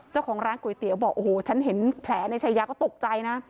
เจ้าของร้านก๋วยเตี๋ยวบอกโอ้โหฉันเห็นแผลในชายาก็ตกใจนะ